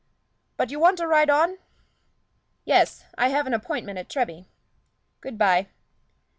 But you want to ride on?" "Yes; I have an appointment at Treby. Good bye."